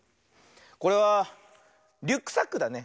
これはリュックサックだね。